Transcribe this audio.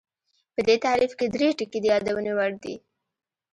په دې تعریف کې درې ټکي د یادونې وړ دي